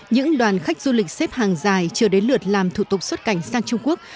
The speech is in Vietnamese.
những đoàn khách du lịch xếp hàng dài chưa đến lượt làm thủ tục xuất cảnh sang trung quốc